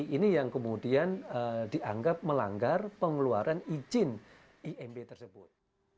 ini yang kemudian dianggap melanggar pengeluaran izin imb tersebut